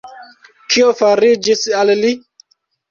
Kio fariĝis al li?